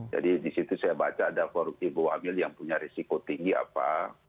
jadi disitu saya baca ada for ibu hamil yang punya risiko tinggi apa